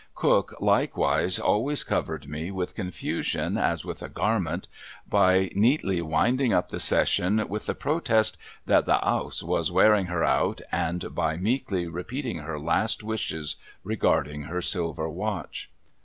Cook, likewise, always covered me with confusion as with a garment, by neatly winding up the session with the protest that the Ouse was wearing her out, and by meekly repeating her last wishes regarding her silver watch.